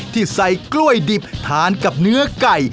ที่ใส่กล้วยดิบทานกับเนื้อไก่